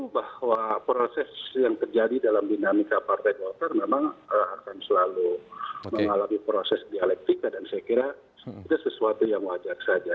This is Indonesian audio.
bahwa proses yang terjadi dalam dinamika partai golkar memang akan selalu mengalami proses dialektika dan saya kira itu sesuatu yang wajar saja